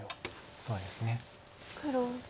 そうですね。